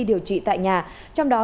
điều trị tại nhà trong đó